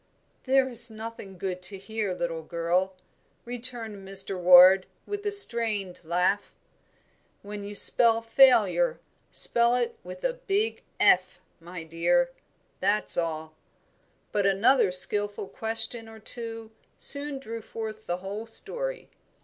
"There is nothing good to hear, little girl," returned Mr. Ward, with a strained laugh. "When you spell failure, spell it with a big F, my dear; that's all." But another skilful question or two soon drew forth the whole story.